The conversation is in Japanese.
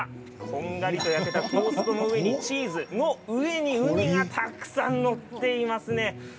こんがりと焼けたトーストの上にチーズの上にウニがたくさん載っていますね。